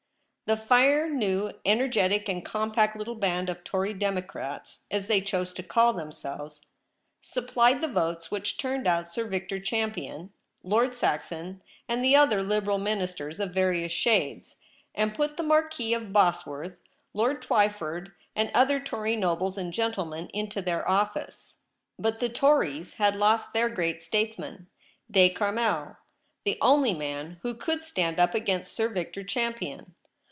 The fire new, energetic, and compact little band of Tory Democrats, as they chose to call themselves, supplied the votes which turned out Sir Victor Champion, Lord Saxon, and the other Liberal Mihisters of various shades, and put the Marquis of Bosworth, Lord Twyford, and other Tory nobles and gentle men into office. But the Tories had lost their great statesman, De Carmel, the only man who could stand up against Sir Victor Champion.